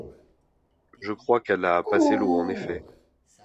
Je crois qu’elle a passé l’eau en effet.